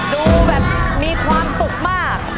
ดูแบบมีความสุขมาก